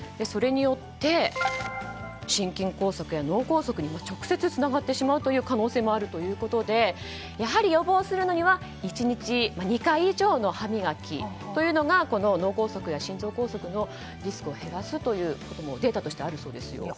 それによって心筋梗塞や脳梗塞にも直接つながってしまう可能性もあるということでやはり、予防するのには１日２回以上の歯磨きというのが脳梗塞や心臓梗塞のリスクを減らすということもデータとしてあるそうですよ。